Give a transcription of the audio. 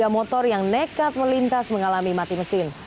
tiga motor yang nekat melintas mengalami mati mesin